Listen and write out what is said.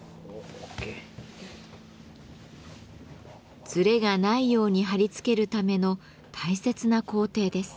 ずれがないように貼り付けるための大切な工程です。